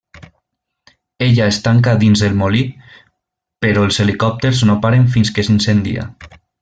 Ella es tanca dins el molí però els helicòpters no paren fins que s'incendia.